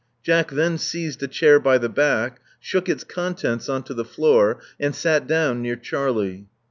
Jack then seized a chair by the back, shook its contents on to the floor, and sat down near Charlie.